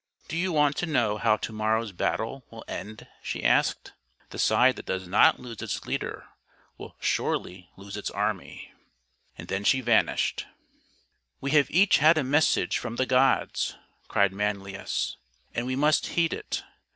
' Do you want to know how to morrow's battle will end ?' she asked. ' The side that does not lose its leader will surely lose its army.' And then she vanished." " We have each had a message from the gods," cried Manlius, " and we must heed it.